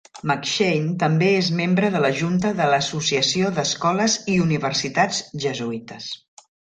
McShane també és membre de la junta de l'Associació d'Escoles i Universitats Jesuïtes.